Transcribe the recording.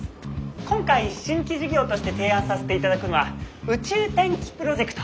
今回新規事業として提案させていただくのは宇宙天気プロジェクト。